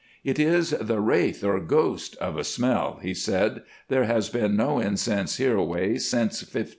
"'It is the wraith, or ghost, of a smell,' he said. 'There has been no incense hereaway since 1546.